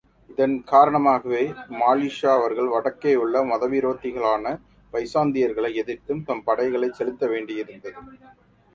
இதன் காரணமாகவே, மாலிக்ஷா அவர்கள் வடக்கேயுள்ள மதவிரோத்திகளான பைசாந்தியர்களை எதிர்த்தும் தம் படைகளைச் செலுத்த வேண்டியிருந்தது.